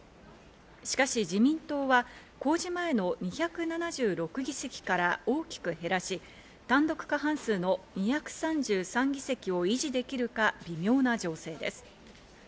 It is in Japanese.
しかし自民党は公示前の２７６議席から大きく減らし、単独過半数の２３３議席を維持できるか微妙な情勢です。